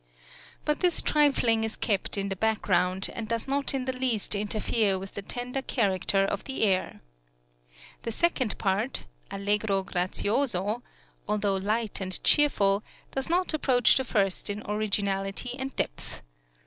But this trifling is kept in the background, and does not in the least interfere with the tender character of the air. The second part (Allegro grazioso, 3 4), although light and cheerful, does not approach the first in originality and depth.